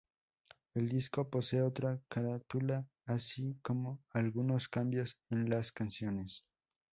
El disco posee otra carátula, así como algunos cambios en las canciones.